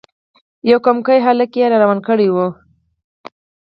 یو کمکی هلک یې روان کړی وو.